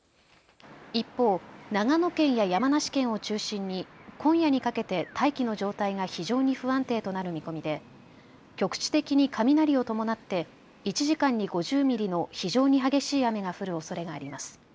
一方、長野県や山梨県を中心に今夜にかけて大気の状態が非常に不安定となる見込みで局地的に雷を伴って１時間に５０ミリの非常に激しい雨が降るおそれがあります。